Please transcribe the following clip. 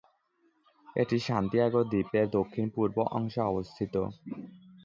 এটি সান্তিয়াগো দ্বীপের দক্ষিণ-পূর্ব অংশে অবস্থিত।